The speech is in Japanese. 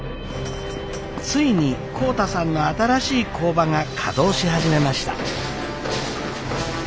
ついに浩太さんの新しい工場が稼働し始めました。